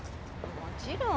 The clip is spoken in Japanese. もちろん。